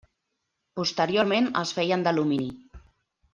Posteriorment es feien d'alumini.